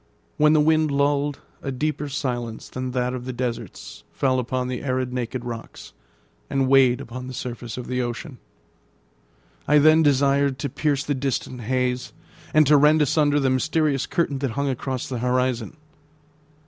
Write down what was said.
When the wind lulled, a deeper silence than that of the deserts fell upon the arid, naked rocks, and weighed upon the surface of the ocean. I then desired to pierce the distant haze, and to rend asunder the mysterious curtain that hung across the horizon.